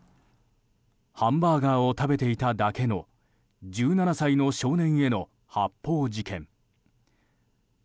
ハンバーガーを食べていただけの１７歳の少年への発砲事件。